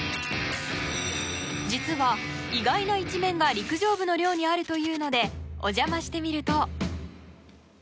実は、意外な一面が陸上部の寮にあるというのでお邪魔してみると。